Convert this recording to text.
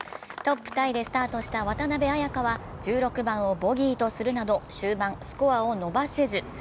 トップタイでスタートした渡邉彩香は１６番をボギーとするなど終盤、スコアを伸ばせず。